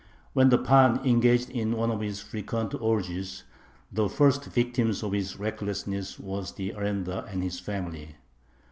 When the pan engaged in one of his frequent orgies, the first victims of his recklessness were the arendar and his family.